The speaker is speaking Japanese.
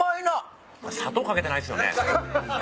砂糖掛けてないっすよね？